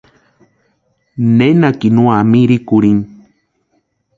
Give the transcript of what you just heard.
Nenakini úa mirikurhini.